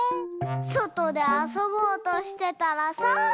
そとであそぼうとしてたらさ。